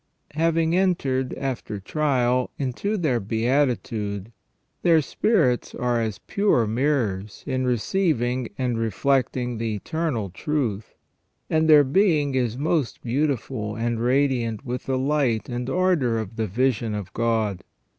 Having entered, after trial, into their beatitude, their spirits are as pure mirrors in receiving and reflecting the eternal truth, and their being is most beautiful and radiant with the light and ardour of the vision of God.